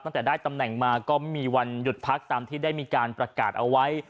ตั้งแต่ได้ตำแหน่งมาก็ไม่มีวันหยุดพักตามที่ได้มีการประกาศเอาไว้